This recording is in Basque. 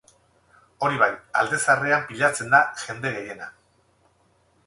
Hori bai, alde zaharrean pilatzen da jende gehiena.